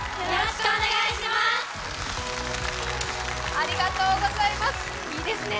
ありがとうございます、いいですね。